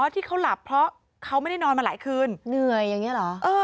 ที่เขาหลับเพราะเขาไม่ได้นอนมาหลายคืนเหนื่อยอย่างนี้เหรอ